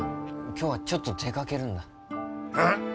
今日はちょっと出かけるんだえっ